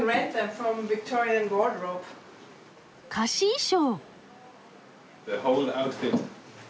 貸衣装！